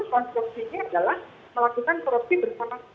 konstruksinya adalah melakukan korupsi bersama sama